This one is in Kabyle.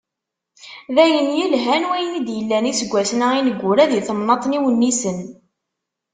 D ayen yelhan wayen i d-yellan iseggasen-a ineggura di temnaḍt n Yiwennisen.